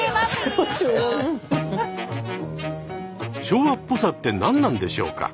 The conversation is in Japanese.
昭和っぽさって何なんでしょうか？